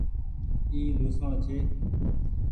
اي لهوسڻ ڇي۔